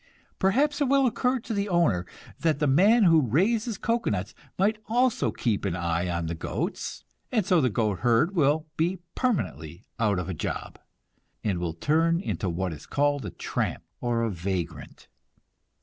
Perhaps it will occur to the owner that the man who raises cocoanuts might also keep an eye on the goats, and so the goat herd will be permanently out of a job, and will turn into what is called a tramp, or vagrant.